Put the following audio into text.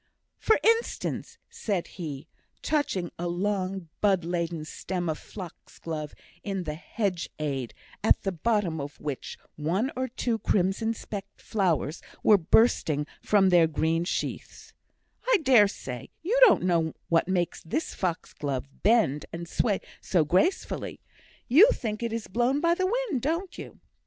"For instance," said he, touching a long bud laden stem of fox glove in the hedge side, at the bottom of which one or two crimson speckled flowers were bursting from their green sheaths, "I dare say, you don't know what makes this fox glove bend and sway so gracefully. You think it is blown by the wind, don't you?"